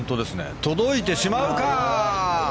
届いてしまうか？